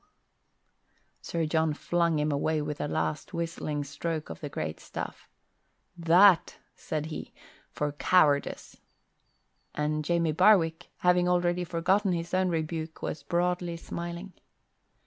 Sir John flung him away with a last whistling stroke of the great staff. "That," said he, "for cowardice." And Jamie Barwick, having already forgotten his own rebuke, was broadly smiling.